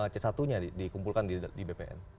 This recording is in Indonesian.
c satu nya dikumpulkan di bpn